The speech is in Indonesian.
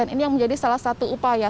ini yang menjadi salah satu upaya